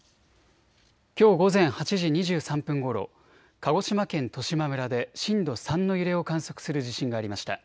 きょう午前８時２３分ごろ、鹿児島県十島村で震度３の揺れを観測する地震がありました。